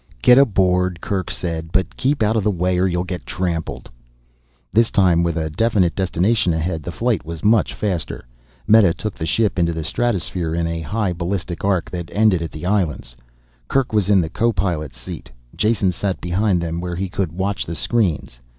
"Get aboard," Kerk said. "But keep out of the way or you'll get trampled." This time, with a definite destination ahead, the flight was much faster. Meta took the ship into the stratosphere, in a high ballistic arc that ended at the islands. Kerk was in the co pilot's seat, Jason sat behind them where he could watch the screens.